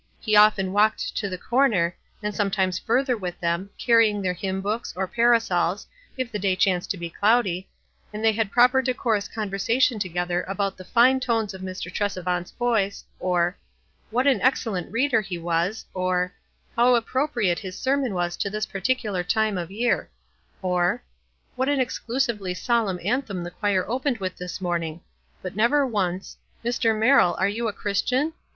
He often walked to the corner, and sometimes further with them, carrying their hymn books, or parasols, if the day chanced to be cloudy, and they had proper decorous conversation together about the " fine 188 WISE AND OTHERWISE. tones of Mr. Tresevant's voice," or "what an excellent reader be was," or "bow appropriate bis sermon was to this particular time of year," or "what an exquisitely solemn anthem the choir opened with this morning," but never once, " Mr. Merrill, are you a Christian